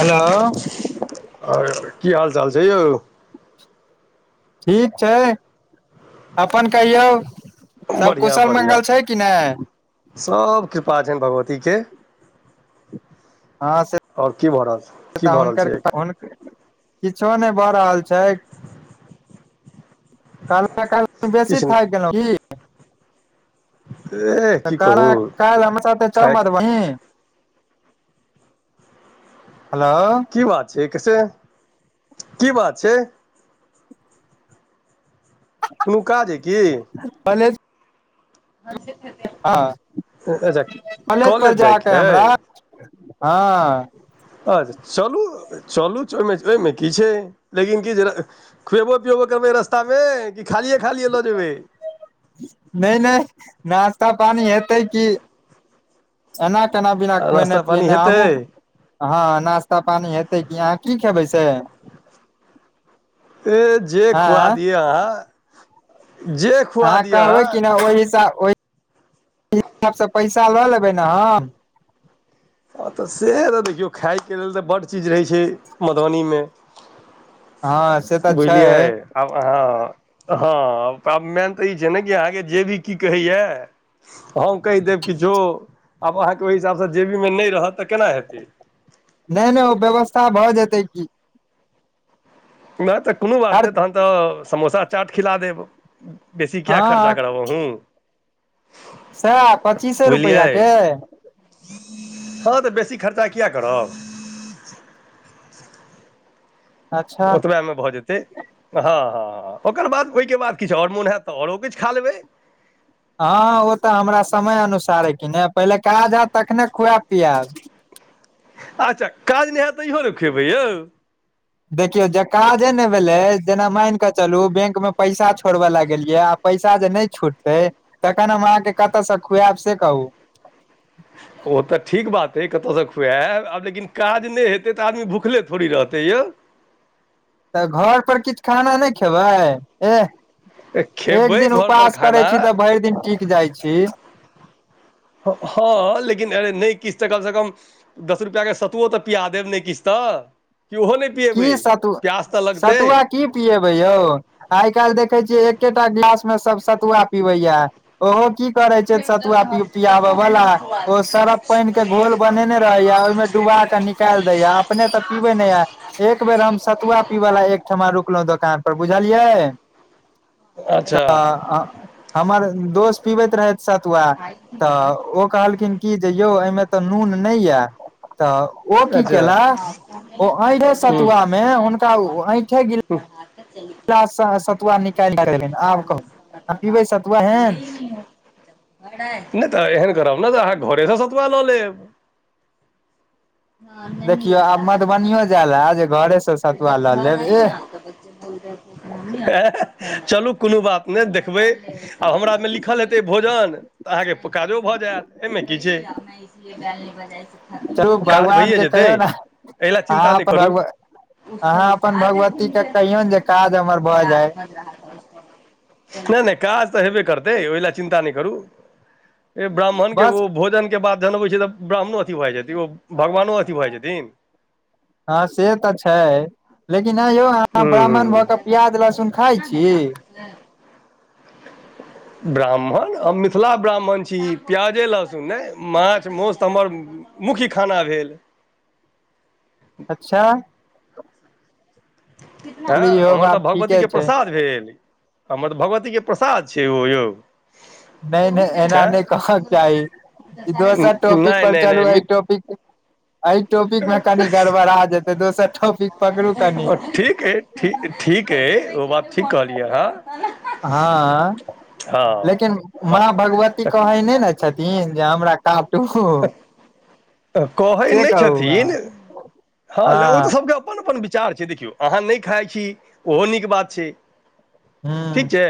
Hello. की हालचाल छै यौ। ठीक छै अपन कहियौ। सब बढ़िियां कुशल बढ़िआं मंगल छै कि नै सब कृपा छनि भगवती के। हँ से आओर की भऽ रहल की तऽ भ रहल हुनकर छै। किछो नहि भऽ रहल छै। काल काल किछ बेसी ाक गेलहु। एह तऽ की कहू क क लम त च थाकि माती। हेलो। की बात छै कैसे की बात छै। कोनो काज अइ की। पले। ह। हँ कॉलेज पर कॉलेज जाइके जााकऽ हमरा अइ हँ। अच्छा चलू चलूहि ओहिमे की छै लेकिन क जे। खुएबो पिएबो करबै रास्तामे कि खालिए खालिए लऽ जेबै। नहि नहि नास्ता पानी हेतै कि। एना केना बिना खुए ने नाश्ता पानी पीएने हेतै हमहुं। ए हँ नाश्ता पानी हेतै कि, अहाँ की खेबै से। ए जे खुआ आँय दि हं। जे आहां कहबै अहाँ कि नहि ओहि हिसाब ओहि हिसाब स पैसा लऽ लेबै ने हम। हँ तऽ से तऽ देखियौ खायके लेल तऽ बड्ड चीज रहै छै मधुबनी में हँ से तऽ छै बुझलियै। आब हँ आब मेन तऽ ई छै ने कि अहाँके जेबी की कहैये। हम कहि देब किछो आब अहाँ के ओहि हिसाब स जेबी में नहि रहतै तऽ केना हेतै। नहि नहि ओ व्यवस्था भए जेतै की। नहि तऽ कोनो बात हर नहि तहन तऽ समोसा चाट खिला देब। बेसी किया खर्चा हँ करब अहूं। सएह पच्चीसे रुपआ के। हँ तऽ बेसी खर्चा किया करब। अच्छा ओतबे में भऽ जेतै। से हँ हँ ओकर बाद ओहि के बाद किछु आओर मोन हएत तऽ आओरो किछु खा लेबै। हँ ओ तऽ हमरा समय अनुसार है कि ने पहिले काज हैत तखने खुआब पिआब। अच्छा काज नहि हेत तहियो ने खुएबै यौ। देखियौ जे काजे ने भेलै जेना माइन कऽ चलू जेना बैंक में पैसा छोड़बे ल गेलियै आब पैसा जे नहि छुटतै तखन हम अहाँके कतऽ से खुएब से कहू। ओ तऽ ठीक बात हइ कतऽसँ खुएब, आब लेकिन काज नहि हेतै तऽ आदमी भुखले थोड़ी रहतै यौ। तऽ घर पर किछु खाना नहि खेबै, एह। एक खेबै दिन घरपर उपास करै खाना छी, तऽ भरि दिन टिक जाइ छी। हँ लेकिन नहि किछ तऽ कम स कम। दस रुपआ के सतुओ तऽ पिया देब, नै किछ तऽ कि ओहो नहि। पियबै की सतु प्यास तऽ लगतै। सतुआ की पियेबे यौ आइ काइल देखे छियै एकेटा गिलास में सब सतुआ पियाबै ये। ओहो कि करे छै सतुआ पि पियाबऽ बाला। ओ सरफ पाइन के घोल बनेने रहै ये ओहि में डुबा के निक काल दैये अपने तऽ पीबे ना ये। एक बेर हम सतुआ पीव ला एक ठमा रुकलुं दोकान पर बुझलियै। अच्छा तऽ हमर दोस्त पिबैत रहै सतुआ तऽ ओ। कहल खिन की जे यौ एहिमे तऽ नून नहि ये तऽ। ओ कि अच्छा कैला ओठे सतुआ में हुनका ऐठे गिलास। [inaudible] गिलास स सतुआ निकाइल के देलखिन, आब कहू पीबै सतुआ एहेन। [inaudible] नहि तऽ एहन करब न, तो जे अहाँ घरे स सतुआ लऽ लेब। देखियौ आब मधुबनीयो जाय लए जे, घरेस सतुआ लऽ लेब एह। चलू कोनो बात नहि देखबै आ हमरा में लिखल हेते। भोजन तऽ अहाँके काजो भऽ जेत एहि में की छै। चलू कतिमे भगवान के कहियौ ने चिन्ता आहां नहि त करू भगवान। आहाँ अपन भगवती के कहियौ ने जे काज हमर भ जाय। नै नै काज तऽ हेबे करतै ओहि लए चिन्ता नहि करू। ए ब्राह्मण के बस ओ भोजन के बाद जनबै छै तऽ ब्राह्मणो अथी भऽ जैथिन ओ भगवानो अथी भऽ जैथिन। हँ से तऽ छै। लेकिन आंइ यौ अहाँ हूँ ब्राह्मण भऽ कऽ प्याज लहसुन खाय छी। ना। [inaudible] ब्राह्मण हम मिथिला ब्राह्मण छी प्याजे लहसुन नहि माछ मासस्त हमर। मुख्य खाना भेल। अच्छा। चलू हँ इहो इमहर तऽ बात ठीके भगवतीके छै प्रसाद भेल। हमर तऽ भगवतीके प्रसाद छै ओ यौग। नहि नहि एना नहि कहक चाही। ई दोसर टॉपिक नहि पर नहि नहि चलू ई मित टॉपिक। एहि टॉपिक मे कनि गड़बड़ा जेतै दोसर टॉपिक पकडु कनि। ठीक एइ। ठीक ठीक अइ ओ बात ठीक कहलियै। हँ हँ लेकिन हँ माँ भगवती कहे नहि ने छथिन जे हमरा काटू। कहै से नहि कहू छथिन। हँ ओ अहाँ तऽ सबके अपन अपन विचार छै देखियौ। अहाँ नहि खाइ छी ओहो नीक बात छै हँ ठीक छै।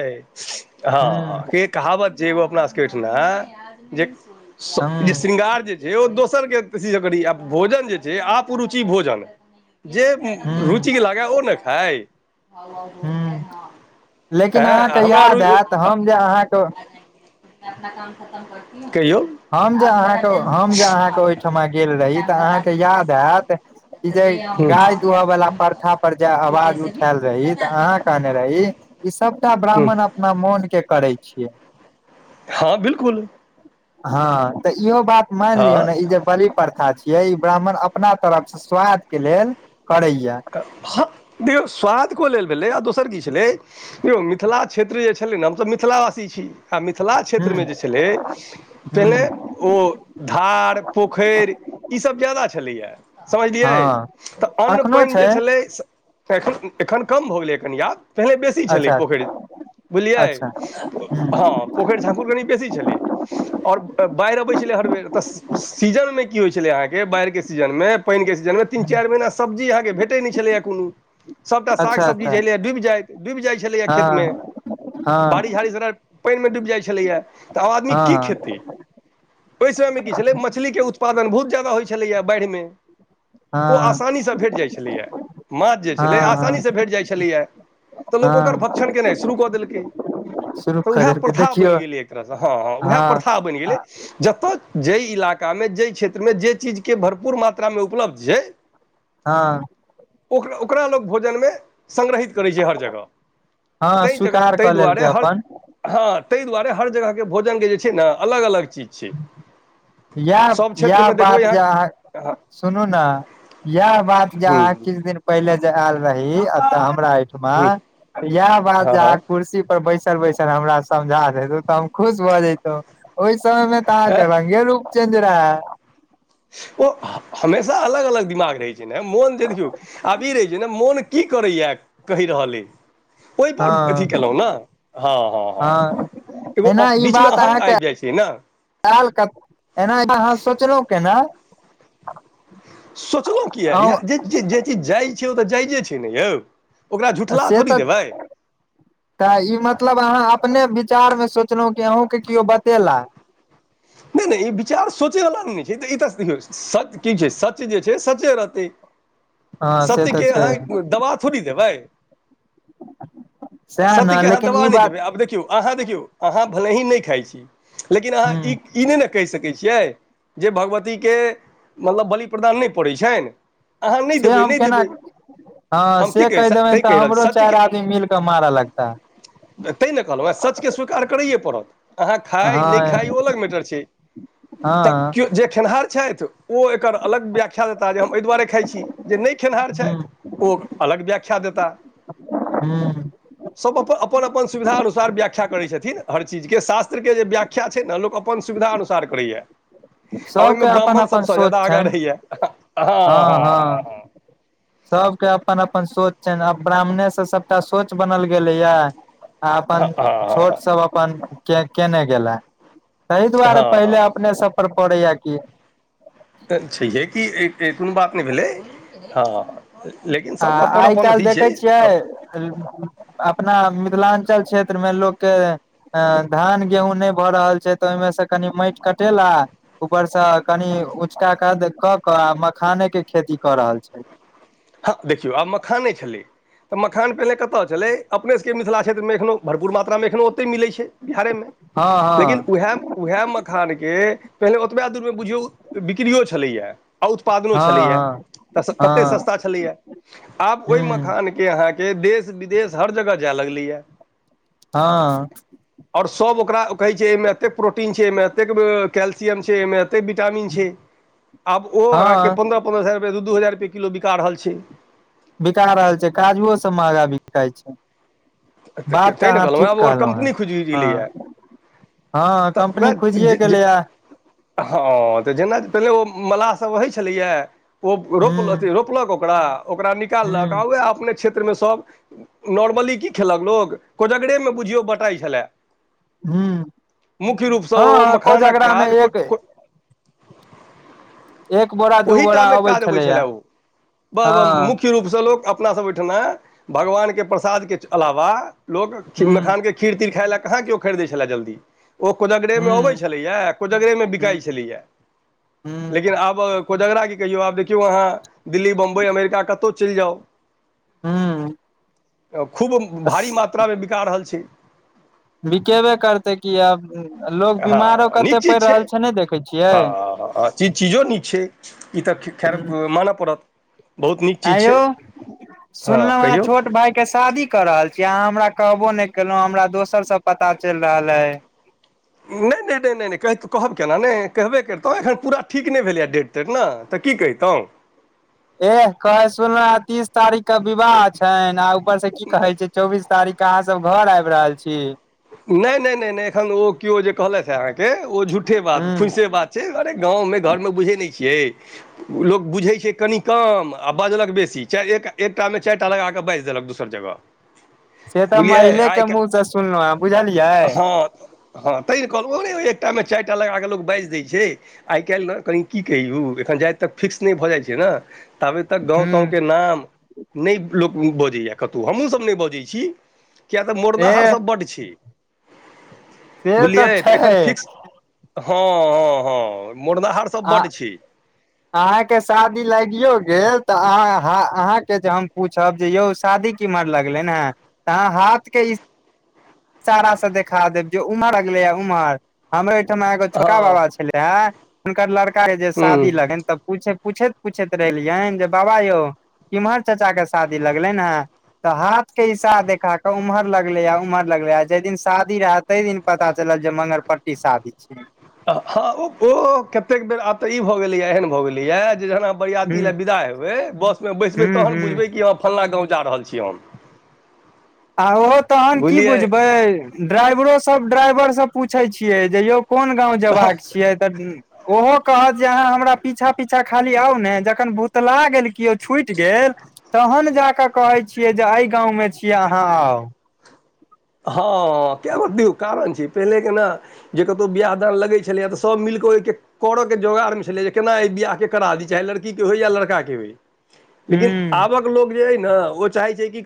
हूँ हँ हूँ के कहावत जे एगो अपना सभके ओहिठिना जे। ह। शृंगार जे छै दोसरके कर भोजन जे छै आपरुचि भोजन जे। हूँ रुचि लागा ओ ने खाय। हूँ लेकिन अहाँके याद आयत हम जे अहाँके। कहियौ। हम जे अहाँके हम जे अहाँके आप ओहिठमा गेल रही तऽ अहाँके याद आयत। ई जे गाय दुह वालला परखा पर जे आवाज उठायल रही तऽ अहाँ कहने रहहि। ई सबटा हूँ ब्राह्मण अपना मोन के करे छिये। हँ बिलकुल। हँ तऽ इहो बात मान लियौ हँ ने ई जे बलि प्रथा छै। ई ब्राह्मण अपना तरफ से स्वाद के लेल करे या। हाक देखियौ स्वाद को लेल भेलै आ दोसर की छलै। यौ मिथिला क्षेत्र जे छलै ने हमसभऽ मिथिलावासी छी। आ मिथिला ह क्षेत्रमे जे छलै पहिले। ह ओ धार पोखरि ईसभ ज्यादा छलैए। समझलियै हँ तऽ अन्न। एखनो पानि छै जे छलै एखन कम भऽ गेलै कन आब। पहिले बेसी छलै अच्छा पोखरि बुझलियै अच्छा ह हँ। पोखरि झाँकुर कनि बेसी छलै। आओर बाढ़ि अबैत छलै हर बेर तऽ सीजनमे की होइत छलै अहाँके बाढ़िके सीजनमे। पानिके छै जानमे तीन चारि महिना सब्जी अहाँकेँ भेटैत नहि छलैएा कोनो। सभटा साग अच्छा सब्जी अच्छा जे छलैए डुबि जाइत डुबि जाइत छलैए खेतमे। हँ बारिश हँ झाड़िश पानिमे डूबि जाइत छलैए तऽ आब आदमी की हँ खेतै। ओहि समयमे की छलै मछलीके उत्पादन बहुत ज्यादा होइत छलैएा बाढ़िमे। ओ हँ आसानीसँ भेट जाइत छै। ह माछ जे हँ छलै आसानी हँ से भेट जाइ छलैयै तऽ लोक ओकर हँ भक्त। केनाइ शुरू कऽ देलकै शुरू तऽ क उएह देलकै प्रथा बनि देखियौ गेलै एक तरह हँ उएह हँ प्रा। बनि गेलै। जतय जाहि इलाकामे जाहि क्षेत्रमे जे चीजके भरपूर मात्रामे उपलब्ध छै। हँ। ओक ओकरा लोक भोजनमे संगडरहित करैत छै हर जगह। हँ तहि जगह स्वीकार तहि कऽ लेलकै दुआरे हर। अपन हँ ताहि दुआरे हर जगहके भोजनके जे छै ने अलग अलग चीज छै। इएह सभ इएह क्षेत्रमे देखबै बात जे अहाँ। सुनू ने इएह बात जे हूँ अहाँ किछु दिन पहिले जे आयल रही एतऽ हमराठ। हूँ इएह बात हँ जे हँ कुर्सी पर बैस। बैसल हमरा समझा देेतो तऽ हम खुश भ जतो ओहि समय मे त अह के रंगे रूप। चन्दरा। ओ हमेशा अलग अलग दिमाग रहैत छै ने मोन देखियौ। आब ई रहै छै ने मोन की करैएा कहि रहल अइ। ओहिपर अथी हँ केलहुँ ने हँ हँ हँ हँ। एगो एना ई बीच मे बात अहंग अहाँके आबि जाइ छै ने। आयल क एना अहाँ सोचलहुँ केना। सोचलहुँ किएक अहूँ जे जे चीज जाइज छै ओ त जाइजे छै ने यौ। ओकरा आ झुठला से थोड़ी त। देबै त ई मतलब अहाँ अपने विचार में सोचलहुं कि अहूँके केयो बतेला। नै नै ई विचार सोचै वला नै ने छै, ई त देखियौ सत्य की छै सत्य जे छै सचे रहतै, हँ से तऽ सत्यके छै अहाँ दबा थोड़ी देबै आ सएह ने सत्यके अहाँ लेकिन दवा ई नहि देबै बात आब देखियौ अहाँ देखियौ, अहाँ भले ही नै खाइ छी लेकिन अहाँ ह ई नै ने कहि सकैत छियै जे भगवतीके मतलब बलि प्रदान नै पड़ैत छनि। अहाँ नै से देबै हम नै देबै। केना हँ हम की से कही कहि देबैन तैँ त रहल हमरो चारि आदमी मिल क मार लगता। तैं ने कहलहुँ ए सचकेँ स्वीकार करैए पड़त, अहाँ खाइ नै हँ खाय ओ अलग मैटर छै। त हँ केओ जे खेनिहार छथि ओ एकर अलग व्याख्या देताह जे हम एहि दुआरे खाइ छी। जे नै खेनिहार ह छथि ओ अलग व्याख्या देताह। हुं। सभ अपन, अपन अपन सुविधा अनुसार व्याखा करै छथिन, हर चीजके, शास्त्रके जे व्याख्य छै ने लोक अप अपन सुविधा अनुसार करैए। आ ओहिमे सबके अपन ब्राह्मण अपन सभसँ सोच ज्यादा आगाँ छनि रहैये, हँ हँ ह। [inaudible] सबके अपन अपन सोच छनि आ ब्राह्मणेसँ सबटा सोच बनल गेलैये। आ अपन हँ हँ हँ हँ छोट सब अपन के केने गेला। ताहि दुआरे हँ पहिले हँ हँ अपने सब पर पड़ैये कि। त छैहे कि ई कोनो बात नहि भेलै, हँ। लेकिन सबके अपन अपन अथि छै। हँ त। अपना मिथिलाञ्चल क्षेत्रमे लोकके। ह धान गेहूँ नहि भ रहल छै त ओहिमे से कनि माटि कटेला ऊपरसँ कनि ऊँचका कद क क आ मखाने के खेती क रहल छैथ। हँ देखियौ आब मखाने छलै। त मखान पहिने कतय छलै अपने सभके मिथिला क्षेत्रमे एखनोहु भरपुर मात्रामे एखनहु ओतहि मिलै छै बिहारेमे। हँ लेकिन हँ वैह। वैह मखानके पहिले ओतबे दूरमे बुझियौ बिक्रियो छलैये। आ उत्पादनो हँ छलैये हँ त कते हँ सस्ता छलैये आब ओहि हूँ मखान के अहां के देश विदेश हर जगह जाय लगलैये। हँ। और सब ओकरा कहै छै एहिमे एतेक प्रोटीन छै एहिमे एते कैल्सियम छै एहिमे ए। कते विटामिन छै आब ओ अहाँके हँ पन्द्रह पन्द्रह हजार रुपये दू दू हजार रुपैये किलो बिका रहल छै। बिका रहल छै काजुओ से महंगा बिकाई छै। बात त तैँ ने अहाँ ठीक आब ओकर कहलहुँ हेँ कम्पनी खुजि गेलैए हँ। हँ तऽ कम्पनी उएह खुजिये जे गेलै हे। हँ त जेना पहिले ओ मललाह सभ रहै छलैए। ओ हूँ रोप अथि रोपलक ओकरा, ओकरा निकाललक आ हूँ वैह अपने क्षेत्रमे सभ नॉर्मली की खेलक लोक कोजगरेमे बुझियौ बटाइ छले। हूं रूपसँ ओ हँ मखानक कोजागरा मे एक एक बोरा दू ओहि टा बोरा मे काज अबै छलैया छलै ओ, हँ मुख्य रूपसँ लोक अपना सभ ओहिठुमा भगवानके प्रसादके अलावा लोक हूँ मखानके खीर तीर खाइ ले कहाँ कहियो खरीदै छलए जल्दी। ओ कोजगरे मे हूँ अबै छलैये कोजगरे मे बिकाइ हूँ छलैये। हूँ लेकिन आब कोजगरा की कहियौ आब देखियौ अहाँ। दिल्ली बम्बइ अमेरिका कतहु चलि जाउ। हँ। खूब भारी मात्रा मे बिका रहल छै। बिकेबे करतै की आब लोक बीमारो हँ नीक कते चीज पड़ि रहल छै नै देखै। छियै हँ ह ह ह ई चीजो नीक छै ई तऽ खैर मानय पड़त। बहुत नीक ऐ चीज यौ छै हँ सुनलहु हे कहियौ छोट भाई के शादी क रहल छी अहाँ हमरा कहबो नहि केलहुं हमरा दोसर से पता चलि रहल ऐ। नहि नहि नहि नहि नहि कहब केना नहि कहबे करिततहुँ एखन पूरा ठीक नहि भेलैए डेट। ने तऽ की कहितहु। एह कहे सुनलहु तीस तारीख के विवाह छनि आ ऊपर से की कहे छै चौबीस तारीख के अहाँ सब घर आबि रहल छी। नहि नहि नहि नहि एखन ओ केओ जे कहलथि हे अहाँके ओ झूठे बात हूँ फुइसे बात। से अरे गाँव मे घर मे बुझैत नहि छियै। लोक बुझैत छै कनि कम आ बजलक बेसी चारि एकटा मे चारि टा लगा कऽ बाजि देलक दोसर जगह। से तऽ बुझलियै महिले के आइ मुह से सुनलहुँ हेँ बुझलियै हँ हँ तै ने कहलहु एकटा मे चारि टा लगा कऽ लोक बाजि दै छै। आइ काल्हि ने कनि की कहियौ एखन जावत तक फिक्स नहि भऽ जाइत छै ने ताबे तक गाँव हूँ ताॅव के नाम नहि लोक बजैय कतहु हमहुँ सभ नहि बजै छी किय तऽ मोड़नाहारर ए सभ बड्ड। तैं से बुझलियै तऽ एखन छै फिक्स हँ हँ हँ मोरनाहार सब आ बड्ड छै। [inaudible] अहाँके शादी लागियो गेल तऽ अह अहाँके जे हम पूछब जे यौ शादी। केमहर लगलनि हे त अहा हाथ के इशारा से देखा देब जे उम्हर लगले हे उम्हर हमरो ओहिठमा एगो हँ छोटा बाबा छलै हे। हुनकर लड़का के जे शादी हूँ लगनि तऽ पूछैत - पूछैत रहलियै जे बाबा यौ केम्हर चाचा के शादी लगलनि हे तऽ हाथ के इसारा से देखा क उम्हर लगले य उम्हर। लगले हे जाहि दिन शादी रहै ताहि दिन पता चलल जे मंगरपट्टी शादी छै। हँ ओ कतेक बेर आब तऽ इ भऽ गेलैए एहन भऽ गेलैए जे जेना। बरियात हूं ल विदा हेबै बस मे बैसबे हूं तहन हूं बुझबै कि हम फलाना गाँव जा रहल छी हम। आ ओहो तहन की बुझलियै बुझबै ड्राइवरोसभ ड्राइवर से पूछैत छियै जे यौ कोन गाँंव जयबाक छियै तऽ। ओहो कहत जे अहाँ हमरा पीछा- पीछा खाली आउ ने जखन भुतला गेल केओ छुटि गेल। तहन जा कऽ कहै छियै जे एहि गाँवमे छियै अहाँ आउ। हँ कय गो कारण छै पहिलेके ने जे कतहु बियाह दान लगै छलैए तऽ सभ मिलि कऽ ओहिके। करय के जोगाड़ मे छलै जे केना एहि बियाहके करा दी चाहे लड़की के होय या लड़का के होय। लेकिन हूँ आबक लोक जे अइ ने ओ चाहै छै कि।